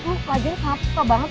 lu pelajarnya kenapa suka banget